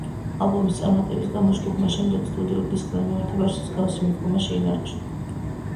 ალბომის წარმატების გამო ჯგუფმა შემდეგ სტუდიურ დისკთან მიმართებაშიც მსგავსი მიდგომა შეინარჩუნა.